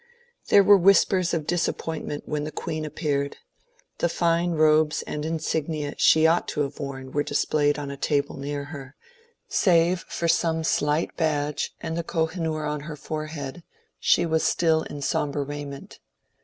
There were whispers of disappointment when the Queen appeared. The fine robes and insignia she ought to have worn were displayed on a table near her; save for some slight badge, and the Koh i noor on her forehead, she was still in sombre raiment.